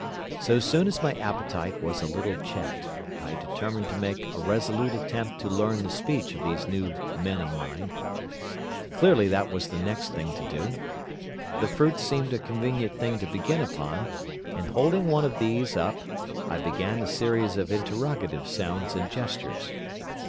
So soon as my appetite was a little checked, I determined to make a resolute attempt to learn the speech of these new men of mine. Clearly that was the next thing to do. The fruits seemed a convenient thing to begin upon, and holding one of these up I began a series of interrogative sounds and gestures.